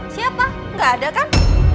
siapa gak ada kan